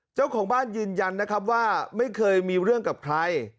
เจ้าของบ้านยืนยันนะครับว่าไม่เคยมีเรื่องกับใคร